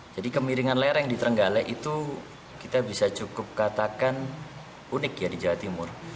jadi kemiringan lereng di trenggalek itu kita bisa cukup katakan unik ya di jawa timur